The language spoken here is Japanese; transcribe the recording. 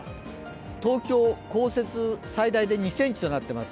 東京、降雪最大で２ｃｍとなっています。